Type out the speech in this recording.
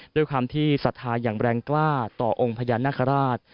ด้วยความที่ศรัทธาอย่างแรงกล้าต่อองค์พญานาคาราช